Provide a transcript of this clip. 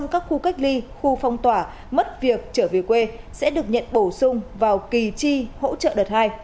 các khu cách ly khu phong tỏa mất việc trở về quê sẽ được nhận bổ sung vào kỳ tri hỗ trợ đợt hai